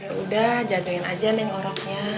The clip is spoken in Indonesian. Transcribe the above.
yaudah jagain aja nengoroknya